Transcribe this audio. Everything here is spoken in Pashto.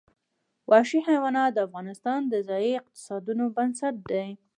وحشي حیوانات د افغانستان د ځایي اقتصادونو بنسټ دی.